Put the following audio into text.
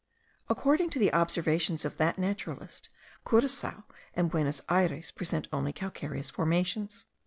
According to the observations of that naturalist, Curacoa and Buenos Ayres present only calcareous formations.